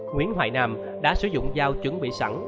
nguyễn hoài nam đã sử dụng dao chuẩn bị sẵn